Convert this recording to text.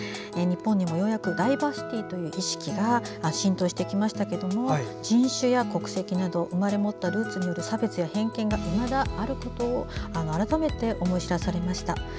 日本にもようやくダイバーシティーという意識が浸透してきましたけども人種や国籍など生まれ持ったルーツによる差別や偏見がいまだにあることを改めて思い知らされました。